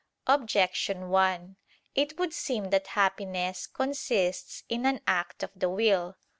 Objection 1: It would seem that happiness consists in an act of the will.